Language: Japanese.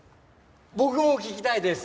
僕も聞きたいです。